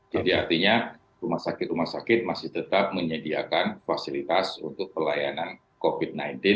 jadi artinya rumah sakit rumah sakit masih tetap menyediakan fasilitas untuk pelayanan covid sembilan belas